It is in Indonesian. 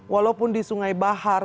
walaupun di sungai bahar